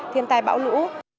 thiên tai bão lũ